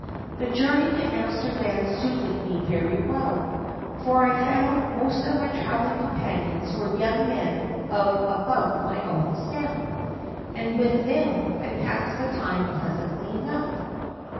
The journey to Amsterdam suited me very well, for I found most of my travelling companions were young men of about my own stamp, and with them I passed the time pleasantly enough.